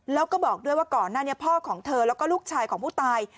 แล้วก็บอกด้วยว่าก่อนหน้านี้พ่อของเธอแล้วก็ลูกชายของผู้ตาย